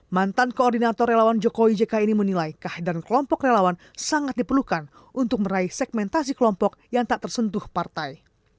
mantan koordinator relawan jokowi jk ini menilai kehadiran kelompok relawan sangat diperlukan untuk meraih segmentasi kelompok yang tak tersentuh partai